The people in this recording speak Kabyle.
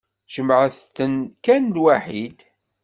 Jemɛemt-ten kan lwaḥid.